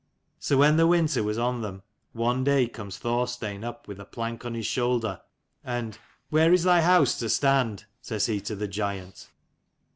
So when the winter was on them, one day comes Thorstein up with a plank on his shoulder, and "Where is thy house to stand?" says he to the giant.